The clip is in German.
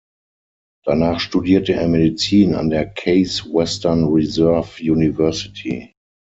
Danach studierte er Medizin an der Case Western Reserve University.